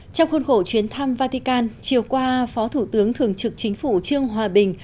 trong khuôn khổ chuyến thăm vatikan chiều qua phó thủ tướng thường trực chính phủ trương hòa bình